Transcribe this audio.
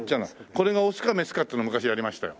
これがオスかメスかっていうの昔やりましたよ。